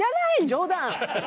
冗談。